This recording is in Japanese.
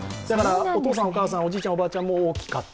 お父さん、お母さん、おじいちゃん、おばあちゃんも大きかった。